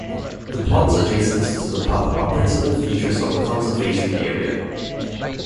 The ponds adjacent to the Pub are principal features of the Conservation Area.